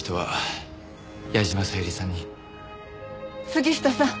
杉下さん